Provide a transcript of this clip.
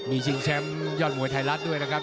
มีชิงแชมป์ยอดมวยไทยรัฐด้วยนะครับ